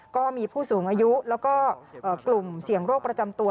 ก็มีผู้สูงอายุแล้วก็กลุ่มเสี่ยงโรคประจำตัว